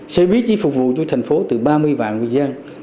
xe buýt chỉ phục vụ cho thành phố từ ba mươi vàng dân